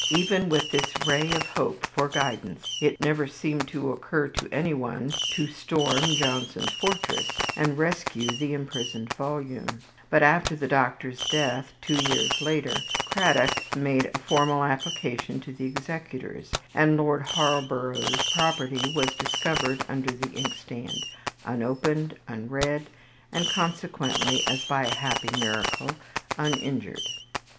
Even with this ray of hope for guidance, it never seemed to occur to any one to storm Johnson's fortress, and rescue the imprisoned volume; but after the Doctor's death, two years later, Cradock made a formal application to the executors; and Lord Harborough's property was discovered under the inkstand, unopened, unread, and consequently, as by a happy miracle, uninjured.